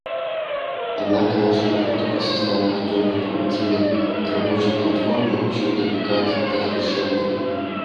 Однако наша работа по созданию надежной нормативной и рабочей платформы еще далека до завершения.